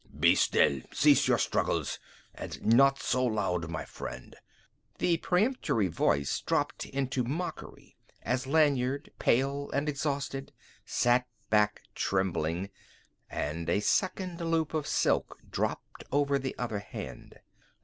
"Be still! Cease your struggles. And not so loud, my friend!" The peremptory voice dropped into mockery as Lanyard, pale and exhausted, sat back trembling and a second loop of silk dropped over the other hand.